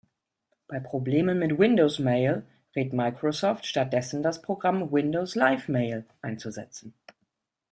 Bei Problemen mit Windows Mail rät Microsoft, stattdessen das Programm Windows Live Mail einzusetzen.